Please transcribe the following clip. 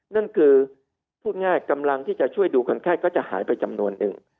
นั่นคือพูดง่ายกำลังที่จะช่วยดูคนไข้ก็จะหายไปจำนวนหนึ่ง